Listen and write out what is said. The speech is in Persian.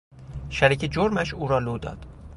شریک جرمش او را لو داد.